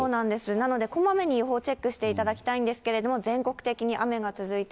なのでこまめに予報をチェックしていただきたいんですけど、全国的に雨が続いて、